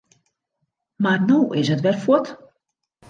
Mar no is it wer fuort.